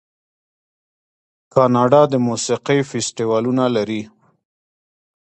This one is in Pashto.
کاناډا د موسیقۍ فستیوالونه لري.